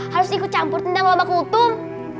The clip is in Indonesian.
harus ikut campur tentang wabah kutum